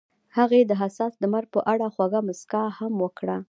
هغې د حساس لمر په اړه خوږه موسکا هم وکړه.